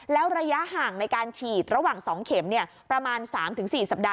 แล้วระยะห่างในการฉีดระหว่าง๒เข็มประมาณ๓๔สัปดาห